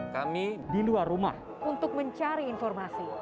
kami di luar rumah untuk mencari informasi